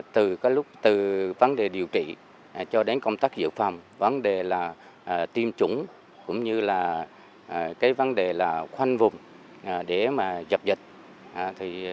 từ vấn đề điều trị cho đến công tác dự phòng vấn đề tiêm chủng cũng như vấn đề khoanh vùng để dập dịch